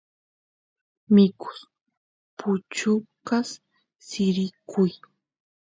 mikus puchukas sirikuy